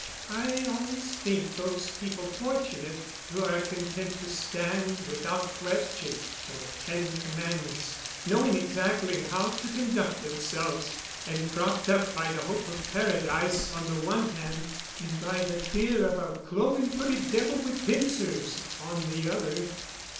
I always think those people fortunate who are content to stand, without question, by the ten commandments, knowing exactly how to conduct themselves, and propped up by the hope of Paradise on the one hand, and by the fear of a cloven footed devil with pincers, on the other....